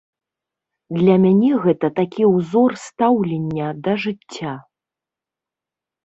Для мяне гэта такі ўзор стаўлення да жыцця.